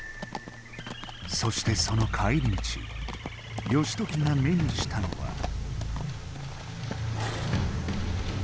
そしてその帰り道義時が目にしたのは。